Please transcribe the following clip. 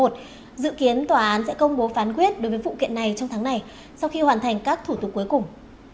dự kiến tòa án sẽ công bố phán quyết đối với vụ kiện này trong tháng này sau khi hoàn thành các thủ tục cuối cùng